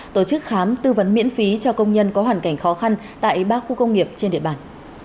tổ chức khám tư vấn miễn phí cho công nhân có hoàn cảnh khó khăn tại ba khu công nghiệp trên địa bàn